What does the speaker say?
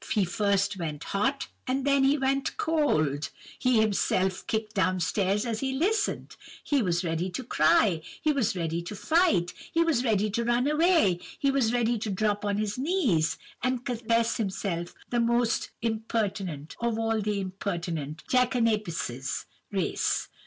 He first went hot, and then he went cold—he felt himself kicked down stairs as he listened—he was ready to cry—he was ready to fight—he was ready to run away—he was ready to drop on his knees, and confess himself the very most impertinent of all the impertinent Jackanapes' race.